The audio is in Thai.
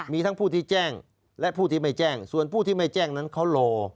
มีทั้งผู้ที่แจ้งและผู้ที่ไม่แจ้งส่วนผู้ที่ไม่แจ้งนั้นเขารอ